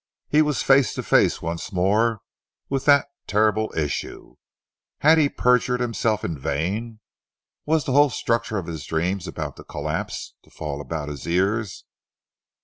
He was face to face once more with that terrible issue. Had he perjured himself in vain? Was the whole structure of his dreams about to collapse, to fall about his ears?